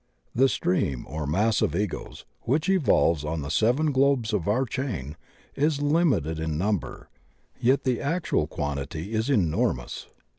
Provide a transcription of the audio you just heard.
The stream or mass of Egos which evolves on the seven globes of our chain is limited in number, yet the actual quantity is enormous.